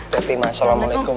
sampai jumpa ma assalamualaikum